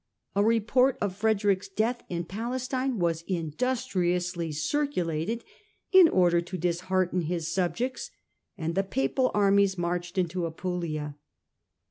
A report of Frederick's death in Palestine was industriously circulated in order to dishearten his subjects, and the Papal armies marched into Apulia.